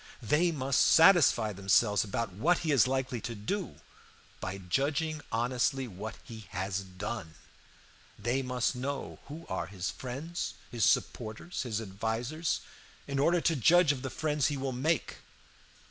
They must satisfy themselves about what he is likely to do by judging honestly what he has done; they must know who are his friends, his supporters, his advisers, in order to judge of the friends he will make.